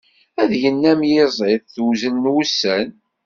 Ad yennam yissiḍ tewzel n wussan.